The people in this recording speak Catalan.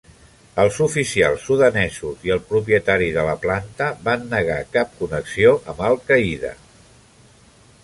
Els oficials sudanesos i el propietari de la planta van negar cap connexió amb Al Qaeda.